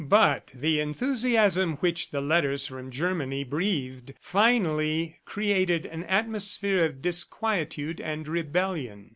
But the enthusiasm which the letters from Germany breathed finally created an atmosphere of disquietude and rebellion.